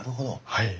はい。